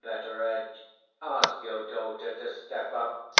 Betteredge, ask your daughter to step up.